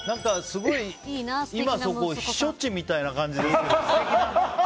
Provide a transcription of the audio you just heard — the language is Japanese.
すごい、今、そこ避暑地みたいな感じですけど。